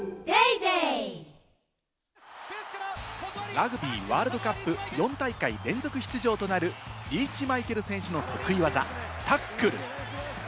ラグビーワールドカップ４大会連続出場となる、リーチ・マイケル選手の得意技・タックル。